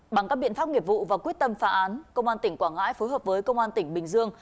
bằng các biện pháp nghiệp vụ và quyết tâm phá án công an tỉnh quảng ngãi phối hợp với công an tỉnh bình dương